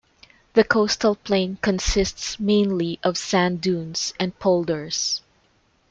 The coastal plain consists mainly of sand dunes and polders.